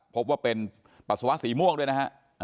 พบว่าเป็นปัสสาวะสีม่วงด้วยนะฮะ